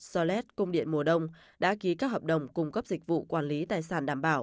solet công điện mùa đông đã ký các hợp đồng cung cấp dịch vụ quản lý tài sản đảm bảo